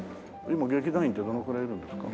今劇団員ってどのくらいいるんですか？